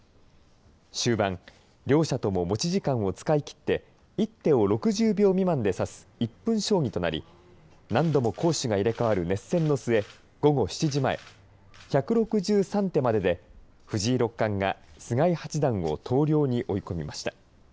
終盤、両者とも持ち時間を使いきって１手を６０秒未満で指す１分将棋となり何度も攻守が入れ代わる熱戦の末午後７時前１６３手までで藤井六冠が菅井八段を投了に追い込みました。